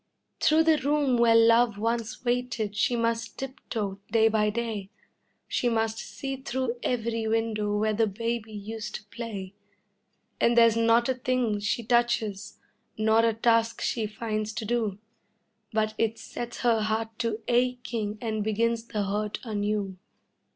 Through the room where love once waited she must tip toe day by day, She must see through every window where the baby used to play, And there's not a thing she touches, nor a task she finds to do, But it sets her heart to aching and begins the hurt anew.